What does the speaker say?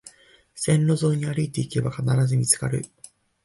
線路沿いに歩いていけば必ず見つかる